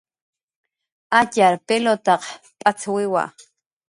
Atxar pilutaq p'acxwiwa